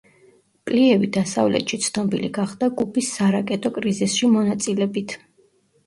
პლიევი დასავლეთში ცნობილი გახდა კუბის სარაკეტო კრიზისში მონაწილებით.